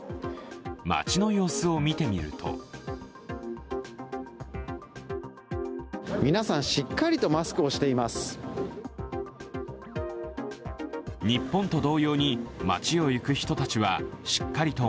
街の様子を見てみると皆さん、しっかりとマスクをしています。